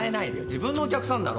自分のお客さんだろ。